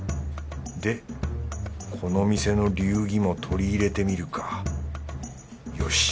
でこの店の流儀も取り入れてみるかよし！